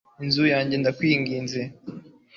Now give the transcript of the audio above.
inzu yanjye, ndakwinginze